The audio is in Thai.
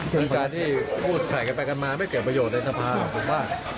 ผู้จารที่ผู้ใส่กันไปกันมาไม่เกิดประโยชน์ในสภาพครับ